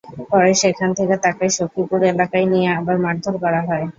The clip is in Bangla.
পরে সেখান থেকে তাঁকে সখীপুর এলাকায় নিয়ে আবার মারধর করা হয়।